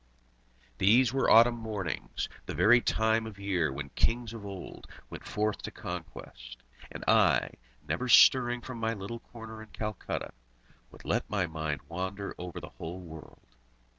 These were autumn mornings, the very time of year when kings of old went forth to conquest; and I, never stirring from my little corner in Calcutta, would let my mind wander over the whole world.